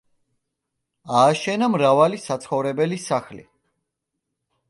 ააშენა მრავალი საცხოვრებელი სახლი.